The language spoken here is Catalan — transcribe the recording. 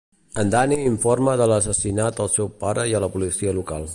En Danny informa de l'assassinat al seu pare i a la policia local.